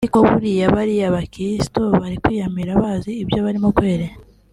Ariko buriya bariya bakiristo bari kwiyamiriya bazi ibyo barimo kweri